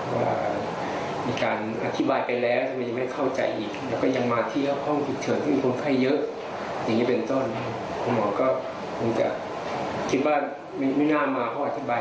ว่ามีการอธิบายไปแล้วทำไมยังไม่เข้าใจอีก